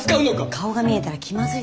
顔が見えたら気まずいでしょ。